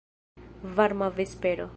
Varma vespero.